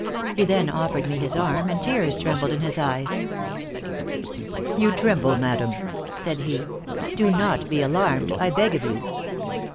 He then offered me his arm, and tears trembled in his eyes. "You tremble, madam," said he; "do not be alarmed, I beg of you."